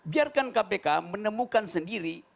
biarkan kpk menemukan sendiri